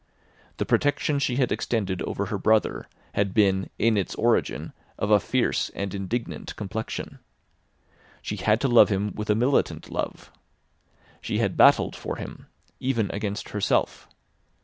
The protection she had extended over her brother had been in its origin of a fierce and indignant complexion. She had to love him with a militant love. She had battled for him—even against herself.